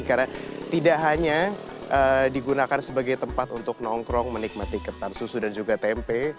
karena tidak hanya digunakan sebagai tempat untuk nongkrong menikmati ketan susu dan juga tempe